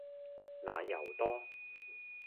奶油多